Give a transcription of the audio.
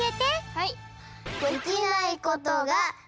はい。